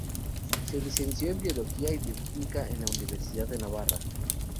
Se licenció en Biología y Bioquímica en la Universidad de Navarra.